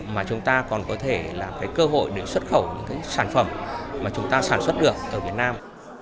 mà chúng ta còn có thể là cơ hội để xuất khẩu những sản phẩm mà chúng ta sản xuất được ở việt nam